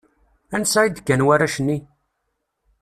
Ansa i d-kkan warrac-nni?